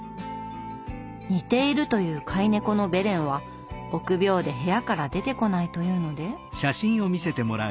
似ているという飼い猫のベレンは臆病で部屋から出てこないというので。